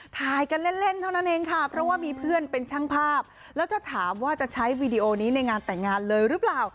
ถ่ายกันเล่นเล่นเท่านั้นเองค่ะเพราะว่ามีเพื่อนเป็นช่างภาพแล้วถ้าถามว่าจะใช้วีดีโอนี้ในงานแต่งงานเลยหรือเปล่า